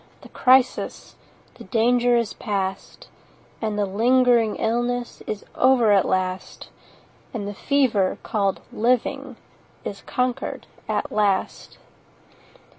the crisis— The danger is past, And the lingering illness Is over at last— And the fever called 'Living' 5 Is conquer'd at last.